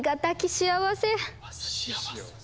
幸せ。